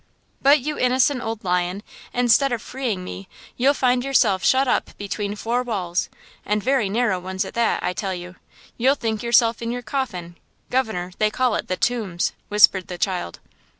"But, you innocent old lion, instead of freeing me, you'll find yourself shut up between four walls! and very narrow ones at that, I tell you! You'll think yourself in your coffin! Governor, they call it The Tombs!" whispered the child.